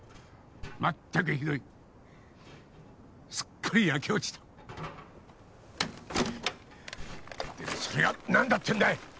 まったくひどいすっかり焼け落ちたでもそれが何だってんだい！